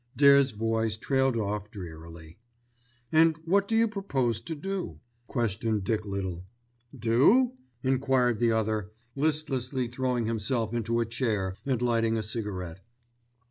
Dare's voice trailed off drearily. "And what do you propose to do?" questioned Dick Little. "Do?" enquired the other, listlessly throwing himself into a chair and lighting a cigarette.